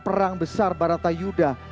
perang besar baratayuda